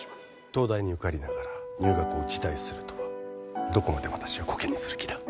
東大に受かりながら入学を辞退するとはどこまで私をコケにする気だ？